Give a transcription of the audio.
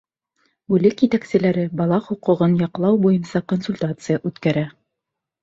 Бүлек етәкселәре бала хоҡуғын яҡлау буйынса консультация үткәрә.